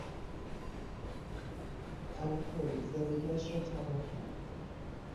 الکل زندگیش را تباه کرد.